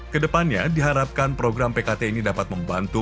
kedepannya diharapkan program pkt ini dapat membantu